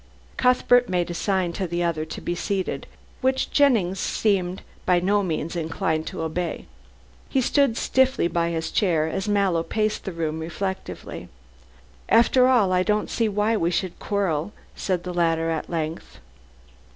Cuthbert made a sign to the other to be seated, which Jennings seemed by no means inclined to obey. He stood stiffly by his chair as Mallow paced the room reflectively. "After all, I don't see why we should quarrel," said the latter at length.